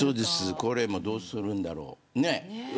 これもどうするんだろう。